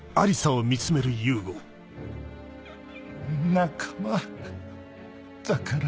仲間だから？